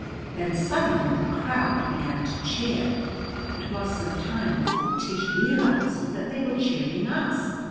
Then suddenly the crowd began to cheer. It was some time before Tish realized that they were cheering us.